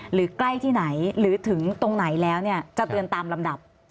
ใกล้ที่ไหนหรือถึงตรงไหนแล้วเนี่ยจะเตือนตามลำดับ